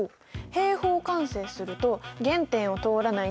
平方完成すると原点を通らない